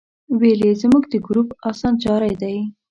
ویل یې زموږ د ګروپ اسانچاری دی.